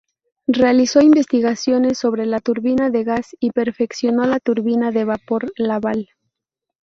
Realizó investigaciones sobre la turbina de gas y perfeccionó la turbina de vapor Laval.